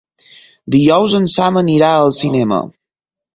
Dijous en Sam anirà al cinema.